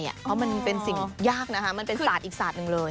เพราะมันเป็นสิ่งยากนะคะมันเป็นศาสตร์อีกศาสตร์หนึ่งเลย